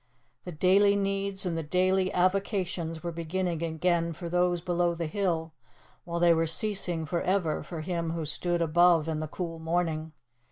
The daily needs and the daily avocations were beginning again for those below the hill, while they were ceasing for ever for him who stood above in the cool morning.